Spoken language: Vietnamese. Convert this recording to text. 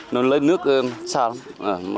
nó lấy nước xa lắm